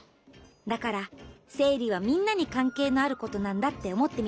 だからせいりはみんなにかんけいのあることなんだっておもってみてほしいな。